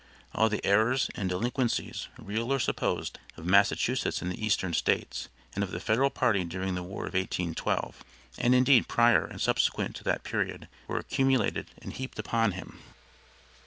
All the errors and delinquencies, real or supposed, of Massachusetts and the Eastern States, and of the Federal party during the war of 1812, and indeed prior and subsequent to that period were accumulated and heaped upon him.